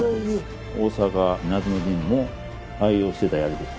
大坂夏の陣も愛用してたやりです。